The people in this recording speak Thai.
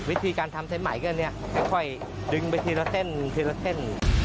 วิธีการทำเส้นใหม่ก็อันนี้ค่อยดึงไปทีละเส้นทีละเส้น